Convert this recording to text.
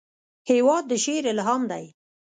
هېواد د شعر الهام دی.